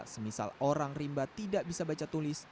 semisal orang rimba tidak bisa baca tulis